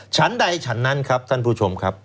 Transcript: ฉันใดฉันนั้นครับท่านผู้ชมครับ